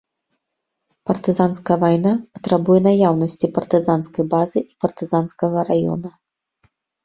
Партызанская вайна патрабуе наяўнасці партызанскай базы і партызанскага раёна.